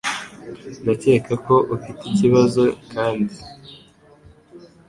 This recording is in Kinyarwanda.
Ndakeka ko ufite ikibazo kandi.